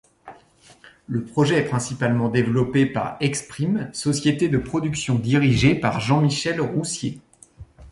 Le projet est principalement développé par Exprim, société de production dirigée par Jean-Michel Roussier.